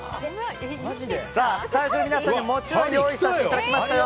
スタジオの皆さんにもちろん用意させていただきましたよ。